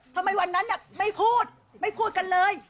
ทำไมวันนั้นไม่พูดไม่พูดกันเลย